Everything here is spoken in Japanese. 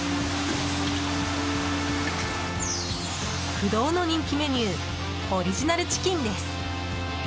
不動の人気メニューオリジナルチキンです。